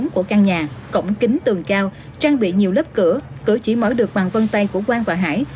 của căn nhà cổng kính tường cao trang bị nhiều lớp cửa cửa chỉ mở được bằng vân tay của quang và hải